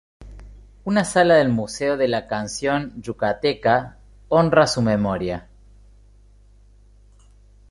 Una sala del "Museo de la canción yucateca" honra su memoria.